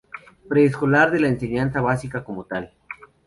Preescolar de la enseñanza básica como tal.